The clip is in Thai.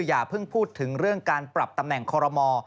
อย่าเพิ่งพูดถึงเรื่องการปรับตำแหน่งคอรมอ